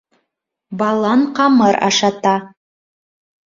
Балан ҡамыр ашата.